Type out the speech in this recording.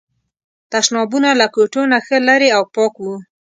تشنابونه له کوټو نه ښه لرې او پاک وو.